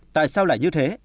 tại sao lại như thế